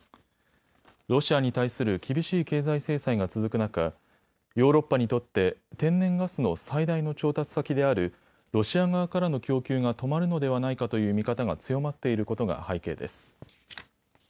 ロシアに対する厳しい経済制裁が続く中、ヨーロッパにとって天然ガスの最大の調達先であるロシア側からの供給が止まるのではないかという見方が強まっていることが背景です。